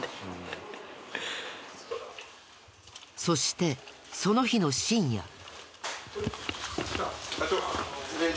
そしてその日の深夜。